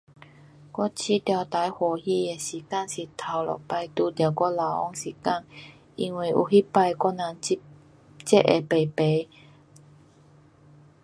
我觉得最欢喜的时间是第一次遇到我老公时候，因为有那次我们才会排排。